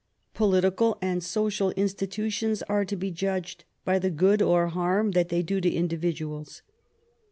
Political and social institutions are to be judged by the good or harm that they do to individuals.